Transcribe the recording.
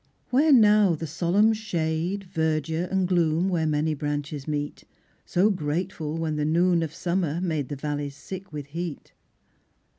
Where now the solemn shade, Verdure and gloom where many branches meet: So grateful, when the noon of summer made The valleys sick with heat?